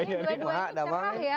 baik sekali ya bang andre ini kayaknya